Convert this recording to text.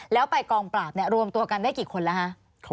แล้วไปกองปราบรวมตัวกันได้กี่คนแล้วคะ